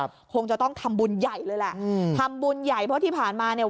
คงจะต้องทำบุญใหญ่เลยแหละอืมทำบุญใหญ่เพราะที่ผ่านมาเนี่ย